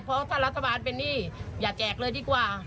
เพราะถ้ารัฐบาลเป็นหนี้อย่าแจกเลยดีกว่า